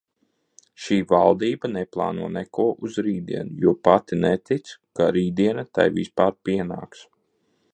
Šī valdība neplāno neko uz rītdienu, jo pati netic, ka rītdiena tai vispār pienāks.